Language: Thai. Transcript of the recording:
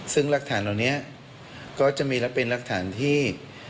ซึ่งรักฐานเหล่านี้ก็จะมีและเป็นรักฐานที่